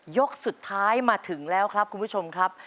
ยกสุดท้ายมาถึงแล้วครับคุณผู้ชมครับ